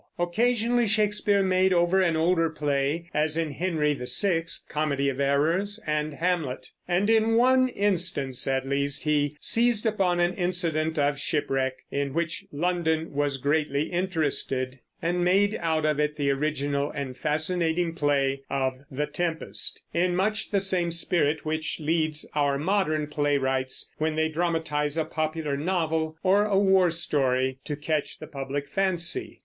Occasionally Shakespeare made over an older play, as in Henry VI, Comedy of Errors, and Hamlet; and in one instance at least he seized upon an incident of shipwreck in which London was greatly interested, and made out of it the original and fascinating play of The Tempest, in much the same spirit which leads our modern playwrights when they dramatize a popular novel or a war story to catch the public fancy.